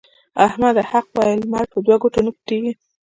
احمده! حق وايه؛ لمر په دوو ګوتو نه پټېږي.